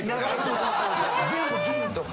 全部銀とか。